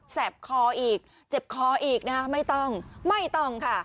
บคออีกเจ็บคออีกนะคะไม่ต้องไม่ต้องค่ะ